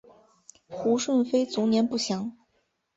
胡顺妃卒年不详。